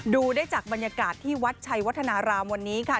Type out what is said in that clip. ดูได้จากบรรยากาศที่วัดชัยวัฒนารามวันนี้ค่ะ